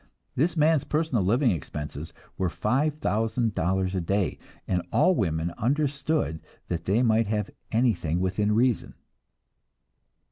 This man's personal living expenses were five thousand dollars a day, and all women understood that they might have anything within reason.